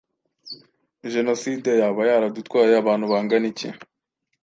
Jenoside yaba yaradutwaye abantu bangana iki?